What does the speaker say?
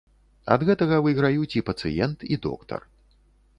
Ад гэтага выйграюць і пацыент, і доктар.